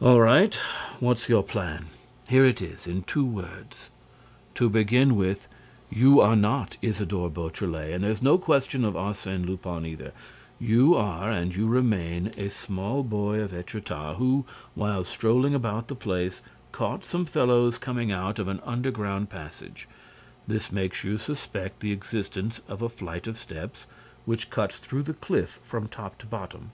"All right. What's your plan?" "Here it is, in two words. To begin with, you are not Isidore Beautrelet and there's no question of Arsène Lupin either. You are and you remain a small boy of Étretat, who, while strolling about the place, caught some fellows coming out of an underground passage. This makes you suspect the existence of a flight of steps which cuts through the cliff from top to bottom."